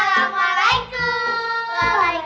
wah keren banget